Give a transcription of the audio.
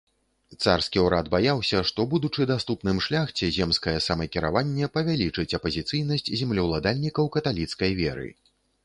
Царскі ўрад баяўся, што, будучы даступным шляхце, земскае самакіраванне павялічыць апазіцыйнасць землеўладальнікаў каталіцкай веры.